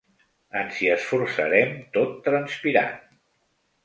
Ens hi esforçarem, tot transpirant.